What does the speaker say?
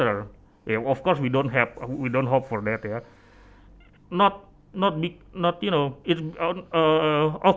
ketika kamu adalah pengurus risiko